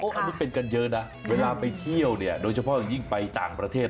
อันนี้เป็นกันเยอะนะเวลาไปเที่ยวเนี่ยโดยเฉพาะอย่างยิ่งไปต่างประเทศ